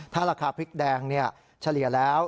ถ้าราคาพริกแดงเฉลี่ยแล้ว